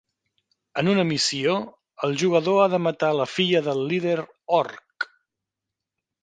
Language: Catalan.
En una missió, el jugador ha de matar la filla del líder Orc.